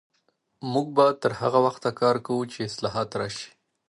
موږ به تر هغه وخته کار کوو چې اصلاحات راشي.